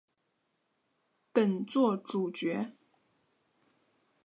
本作主角。